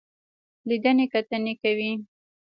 لیدنې کتنې کوي.